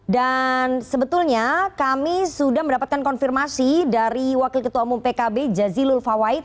dan sebetulnya kami sudah mendapatkan konfirmasi dari wakil ketua umum pkb jazilul fawait